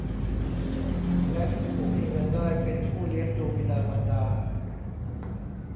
และผู้มีเงินได้เป็นผู้เลี้ยงดูบิดามารดา